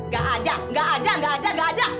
gak ada gak ada gak ada gak ada